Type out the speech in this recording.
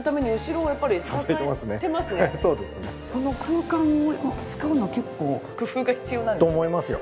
この空間を使うのは結構工夫が必要なんですね？と思いますよ。